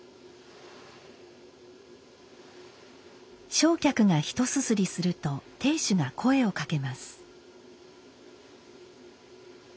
正客がひとすすりすると亭主が声をかけます。